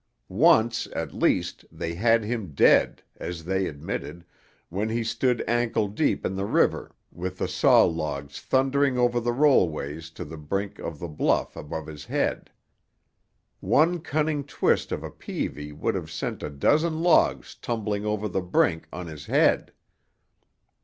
Once, at least, "they had him dead," as they admitted, when he stood ankle deep in the river with the saw logs thundering over the rollways to the brink of the bluff above his head. One cunning twist of a peavey would have sent a dozen logs tumbling over the brink on his head.